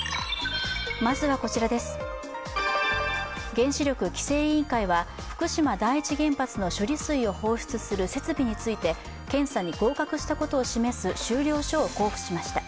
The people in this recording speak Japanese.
原子力規制委員会は福島第一原発の処理水を放水する設備について、検査に合格したことを示す終了証を交付しました。